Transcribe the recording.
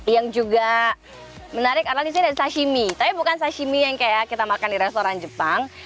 yang juga menarik adalah di sini ada sashimi tapi bukan sashimi yang kayak kita makan di restoran jepang